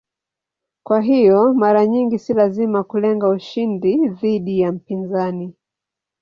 Kwa hiyo mara nyingi si lazima kulenga ushindi dhidi ya mpinzani.